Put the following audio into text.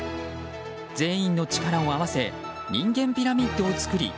全員の力を合わせ人間ピラミッドを作り